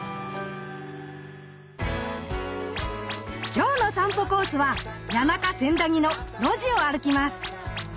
今日の散歩コースは谷中・千駄木の路地を歩きます。